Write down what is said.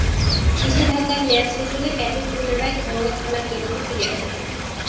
নিষেধাজ্ঞার মেয়াদ শেষ হলে প্যাটেল পুনরায় ঘরোয়া খেলার জগতে ফিরে আসেন।